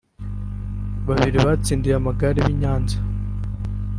Babiri batsindiye amagare b’i Nyanza